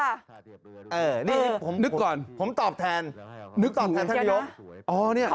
นี่นี่นึกก่อนผมตอบแทนนึกตอบแทนท่านยก